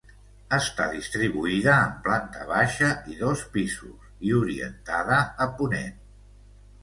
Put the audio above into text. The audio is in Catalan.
Està distribuïda en planta baixa i dos pisos i orientada a ponent.